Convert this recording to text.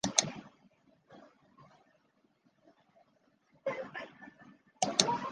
其职能与阿斯特莉亚相似。